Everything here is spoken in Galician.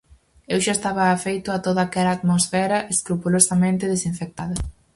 Eu xa estaba afeito a toda aquela atmosfera escrupulosamente desinfectada.